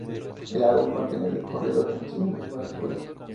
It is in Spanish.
El álbum contiene el reconocido sencillo "Barracuda".